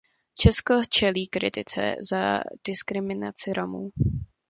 Česko čelí kritice za diskriminaci Romů.